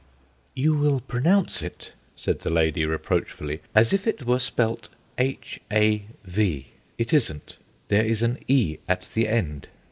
"You will pronounce it," said the lady reproachfully, "as if it were spelt H a v. It isn't. There is an 'e' at the end."